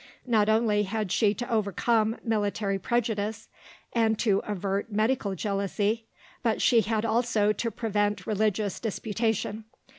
Not only had she to overcome military prejudice and to avert medical jealousy, but she had also to prevent religious disputation.